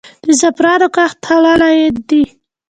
د زعفرانو کښت حلال عاید دی؟